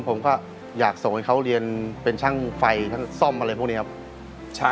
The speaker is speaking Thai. ผมก็อยากส่งให้เขาเรียนเป็นช่างไฟช่างซ่อมอะไรพวกนี้ครับ